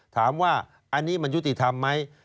ถามว่าอันนี้มันยุติธรรมไหม